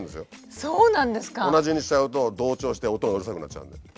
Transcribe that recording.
同じにしちゃうと同調して音がうるさくなっちゃうんで。